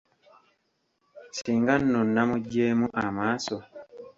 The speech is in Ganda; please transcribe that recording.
Singa nno nnamuggyeemu amaaso!